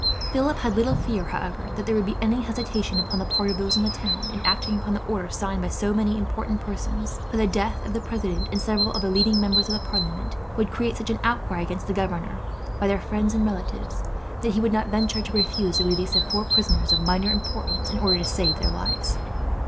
Philip had little fear, however, that there would be any hesitation, upon the part of those in the town, in acting upon the order signed by so many important persons; for the death of the president, and several of the leading members of the parliament, would create such an outcry against the governor, by their friends and relatives, that he would not venture to refuse the release of four prisoners, of minor importance, in order to save their lives.